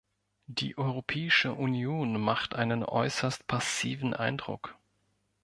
Die Europäische Union macht einen äußerst passiven Eindruck.